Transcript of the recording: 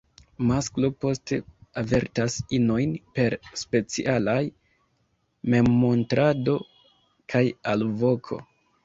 Masklo poste avertas inojn per specialaj memmontrado kaj alvoko.